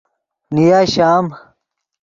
نیا شام